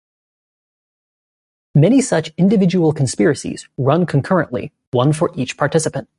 Many such individual "conspiracies" run concurrently, one for each participant.